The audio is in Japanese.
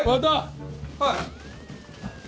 はい。